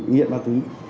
nghĩa ma túy